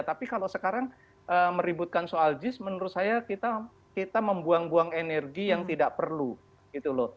tapi kalau sekarang meributkan soal jis menurut saya kita membuang buang energi yang tidak perlu gitu loh